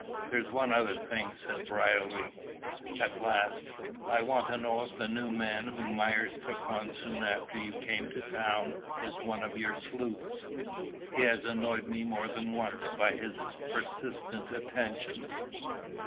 "There's one other thing," said Brierly, at last. "I want to know if the new man, whom Myers took on soon after you came to town, is one of your sleuths? He has annoyed me more than once by his persistent attentions."